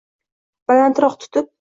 Balandroq tutib.